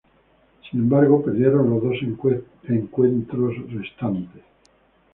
Sin embargo, perdieron los dos encuentros restantes.